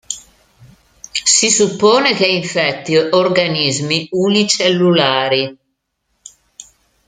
Si suppone che infetti organismi unicellulari.